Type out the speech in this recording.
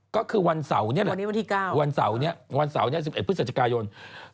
ก็คือวันเสาร์นี้หรือวันเสาร์นี้๑๑พฤศจิกายนอีก๓วัน